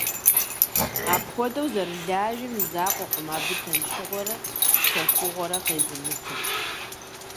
Апхуэдэу зэрылажьэм и закъуэкъым абы тыншыгъуэрэ псэхугъуэрэ къезымытыр.